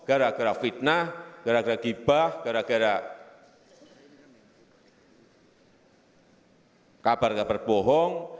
gara gara fitnah gara gara gibah gara gara kabar kabar bohong